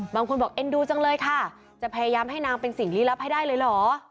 บางคนบอกเอ็นดูจังเลยค่ะจะพยายามให้นางเป็นสิ่งลี้ลับให้ได้เลยเหรอ